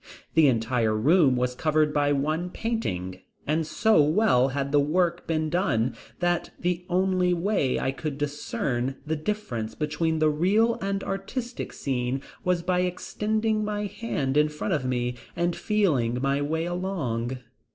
The entire room was covered by one painting, and so well had the work been done that the only way I could discern the difference between the real and artistic scene was by extending my hands in front of me and feeling my way along.